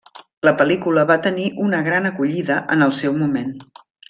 La pel·lícula va tenir una gran acollida en el seu moment.